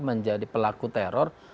menjadi pelaku teror